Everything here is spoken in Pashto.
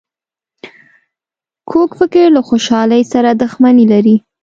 کوږ فکر له خوشحالۍ سره دښمني لري